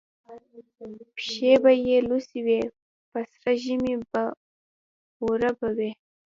پښې به یې لوڅي وي په سره ژمي بې اوره به وي